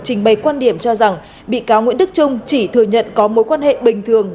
trình bày quan điểm cho rằng bị cáo nguyễn đức trung chỉ thừa nhận có mối quan hệ bình thường